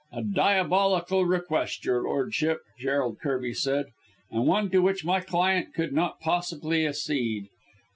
"A diabolical request, your lordship," Gerald Kirby said, "and one to which my client could not possibly accede.